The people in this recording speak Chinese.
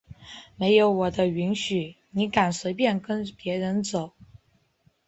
没有我的允许你敢随便跟别人走？！